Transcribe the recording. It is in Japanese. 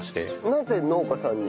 なぜ農家さんに？